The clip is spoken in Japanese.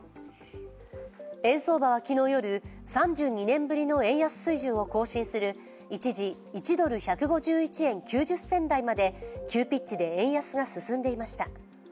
円相場は昨日夜、３２年ぶりの円安水準を更新する一時１ドル＝１５１円９０銭台まで急ピッチで円安が進んでいました。